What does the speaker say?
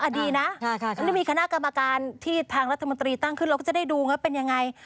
ดีนะเขาจะมีคณะกรรมการที่ทางรัฐมนตรีตั้งขึ้นเราก็จะได้ดูว่าเป็นยังไง